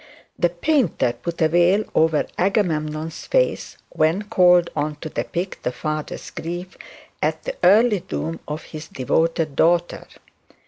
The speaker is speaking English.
The painter put a veil over Agamemnon's face when called on to depict the father's grief at the early doom of his devoted daughter.